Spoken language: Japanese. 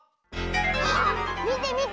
あっみてみて！